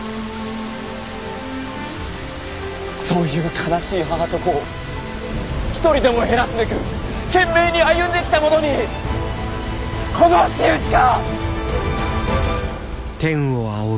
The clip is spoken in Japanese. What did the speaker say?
そういう悲しい母と子を一人でも減らすべく懸命に歩んできた者にこの仕打ちか！？